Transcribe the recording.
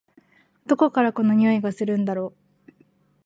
どこからこの匂いがするんだろ？